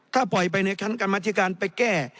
ถ้าปล่อยไปในการมาธิการไปแก้